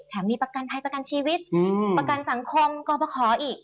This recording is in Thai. มีประกันภัยประกันชีวิตประกันสังคมกรประคออีก